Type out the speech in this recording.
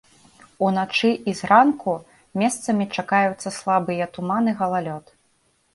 Уначы і зранку месцамі чакаюцца слабыя туман і галалёд.